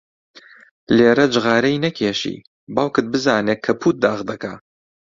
لێرە جغارەی نەکێشی، باوکت بزانێ کەپووت داغ دەکا.